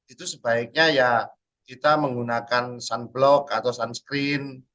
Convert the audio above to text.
itu sebaiknya ya kita menggunakan sunblock atau sunscreen